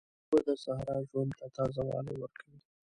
اوبه د صحرا ژوند ته تازه والی ورکوي.